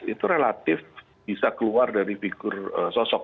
itu relatif bisa keluar dari figur sosok